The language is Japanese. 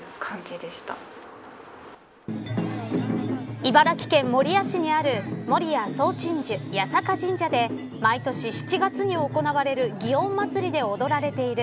茨城県守谷市にある守谷総鎮守八坂神社で毎年７月に行われる祇園祭で踊られている